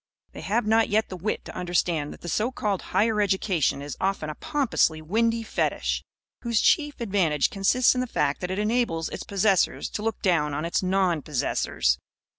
They have not yet the wit to understand that the so called Higher Education is often a pompously windy fetish; whose chief advantage consists in the fact that it enables its possessors to look down on its non possessors.